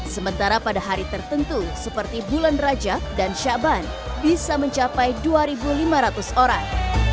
sementara pada hari tertentu seperti bulan raja dan syaban bisa mencapai dua lima ratus orang